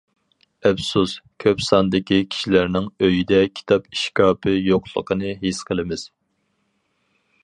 ئەپسۇس، كۆپ ساندىكى كىشىلەرنىڭ ئۆيىدە كىتاب ئىشكاپى يوقلۇقىنى ھېس قىلىمىز.